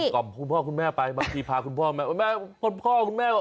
ขอบคุณพ่อคุณแม่ไปบางทีพาคุณพ่อคุณแม่